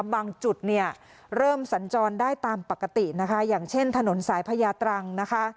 จุดเนี่ยเริ่มสัญจรได้ตามปกตินะคะอย่างเช่นถนนสายพญาตรังนะคะ